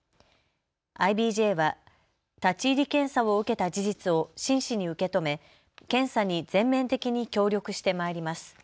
ＩＢＪは立ち入り検査を受けた事実を真摯に受け止め検査に全面的に協力してまいります。